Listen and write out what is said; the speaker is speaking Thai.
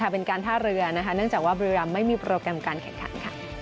เป็นการท่าเรือเนื่องจากว่าบุรีรัมไม่มีโปรแกรมการแข่งขัน